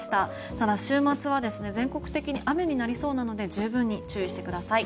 ただ、週末は全国的に雨になりそうなので十分に注意してください。